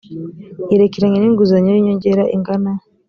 yerekeranye n inguzanyo y inyongera ingana